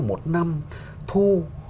một năm thu